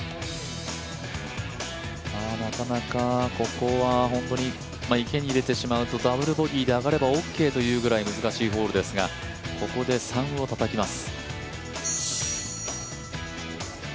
なかなかここは本当に池に入れてしまうとダブルボギーで終わればオッケーと言われるくらい難しいホールですがここで３をたたきます。